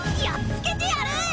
やっつけてやる！